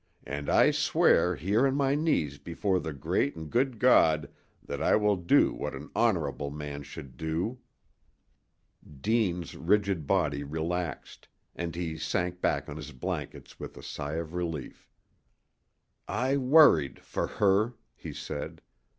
"And I swear here on my knees before the great and good God that I will do what an honorable man should do!" Deane's rigid body relaxed, and he sank back on his blankets with a sigh of relief. "I worried for her," he said.